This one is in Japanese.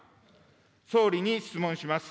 総理に質問します。